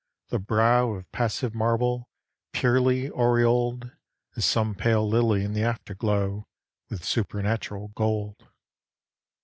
the brow Of passive marble, purely aureoled, As some pale lily in the afterglow, With supernatural gold.